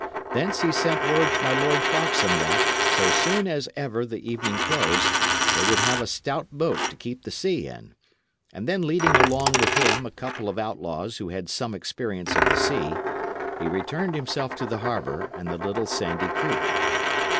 Thence he sent word to my Lord Foxham that, so soon as ever the evening closed, they would have a stout boat to keep the sea in. And then leading along with him a couple of outlaws who had some experience of the sea, he returned himself to the harbour and the little sandy creek.